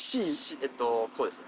えっとこうですね。